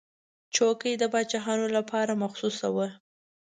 چوکۍ د پاچا لپاره مخصوصه وه.